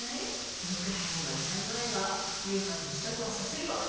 迎えには行かないわ夕飯の支度はさせるわ。